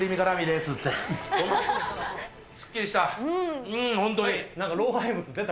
すっきりした。